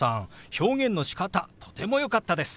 表現のしかたとてもよかったです！